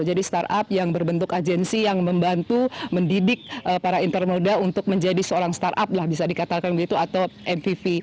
jadi startup yang berbentuk agensi yang membantu mendidik para intermodal untuk menjadi seorang startup lah bisa dikatakan begitu atau mpv